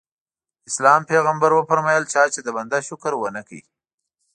د اسلام پیغمبر وفرمایل چا چې د بنده شکر ونه کړ.